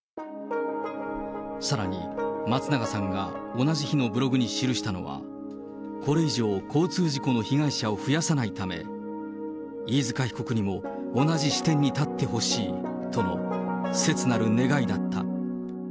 さらに、松永さんが同じ日のブログに記したのは、これ以上、交通事故の被害者を増やさないため、飯塚被告にも同じ視点に立ってほしいとの切なる願いだった。